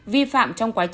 vi phạm trong quá trình